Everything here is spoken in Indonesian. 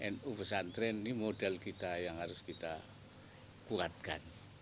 nu pesantren ini modal kita yang harus kita kuatkan